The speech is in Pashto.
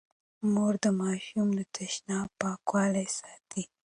مور د ماشوم د تشناب پاکوالی ساتي.